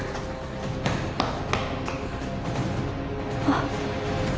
あっ。